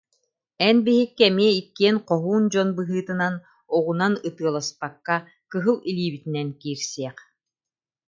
Эн биһикки эмиэ иккиэн хоһуун дьон быһыытынан, оҕунан ытыаласпакка, кыһыл илиибитинэн киирсиэх